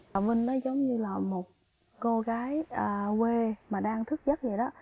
trà vinh nó giống như là một cô gái quê mà đang thức giấc vậy đó